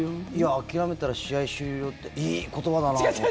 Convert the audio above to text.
諦めたら試合終了っていい言葉だなって思って。